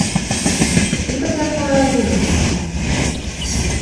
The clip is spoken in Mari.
Кӧ тыгай поро айдеме лектын?